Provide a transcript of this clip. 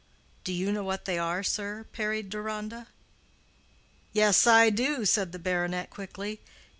"Do you know what they are, sir?" parried Deronda. "Yes, I do," said the baronet, quickly.